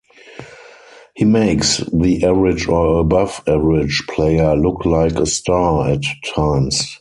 He makes the average or above average player look like a star at times.